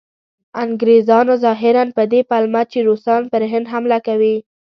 انګریزانو ظاهراً په دې پلمه چې روسان پر هند حمله کوي.